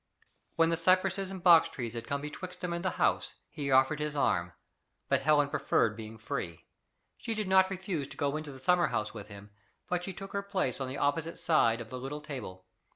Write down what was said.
When the cypresses and box trees had come betwixt them and the house, he offered his arm, but Helen preferred being free. She did not refuse to go into the summer house with him; but she took her place on the opposite side of the little table.